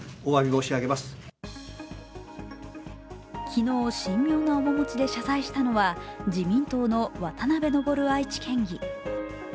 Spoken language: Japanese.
昨日、神妙な面持ちで謝罪したのは自民党の渡部昇県議。